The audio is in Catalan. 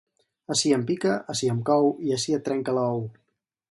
Ací em pica, ací em cou i ací et trenque l'ou.